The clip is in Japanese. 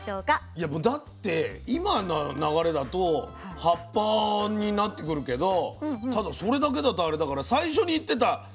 いやもうだって今の流れだと葉っぱになってくるけどただそれだけだとあれだから最初に言ってた根じゃないの？